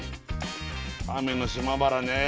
雨の島原ね